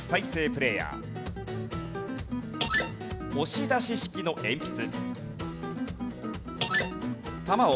押し出し式の鉛筆。